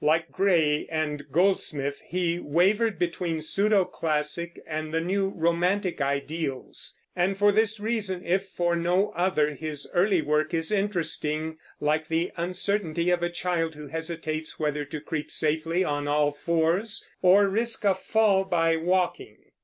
Like Gray and Goldsmith, he wavered between Pseudo classic and the new romantic ideals, and for this reason, if for no other, his early work is interesting, like the uncertainty of a child who hesitates whether to creep safely on all fours or risk a fall by walking.